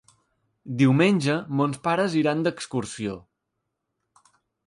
Diumenge mons pares iran d'excursió.